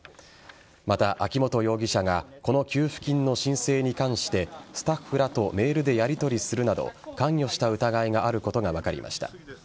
また、秋本容疑者がこの給付金の申請に関してスタッフらとメールでやりとりするなど関与した疑いがあることが分かりました。